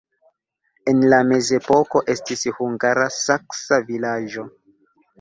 En la mezepoko estis hungara-saksa vilaĝo.